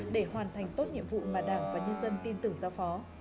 để hoàn thành tốt nhiệm vụ mà đảng và nhân dân tin tưởng giao phó